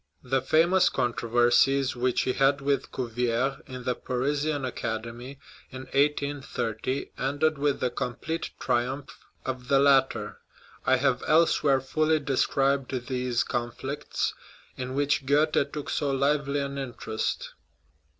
The famous controversies which he had with Cuvier in the Parisian Academy in 1830 ended with the complete triumph of the latter. I have elsewhere fully described these conflicts, in which Goethe took so lively an interest.